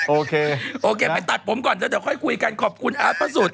โอเคไปตัดผมก่อนเดี๋ยวค่อยคุยกันขอบคุณอ้าพระสุทธิ์